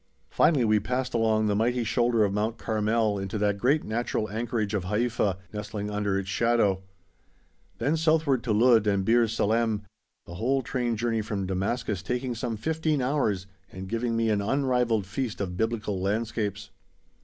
Finally we passed along the mighty shoulder of Mount Carmel into that great natural anchorage of Haifa, nestling under its shadow; then southward to Ludd and Bir Salem the whole train journey from Damascus taking some fifteen hours and giving me an unrivalled feast of Biblical landscapes.